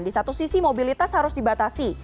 di satu sisi mobilitas harus dibatasi